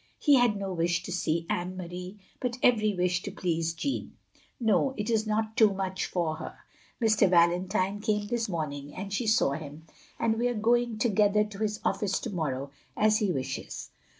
He had no wish to see Anne Marie, but every wish to please Jeanne. " No, it is not too much for her. Mr. Valentine came this morning, and she saw him, and we are going together to his office to morrow as he wishes.